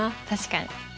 確かに。